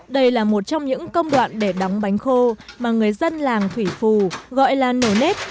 đây là một trong những công đoạn để đóng bánh khô mà người dân làng thủy phù gọi là nổ nếp